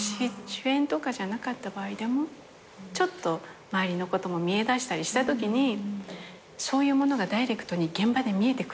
主演とかじゃなかった場合でもちょっと周りのことも見えだしたりしたときにそういうものがダイレクトに現場で見えてくるじゃないですか。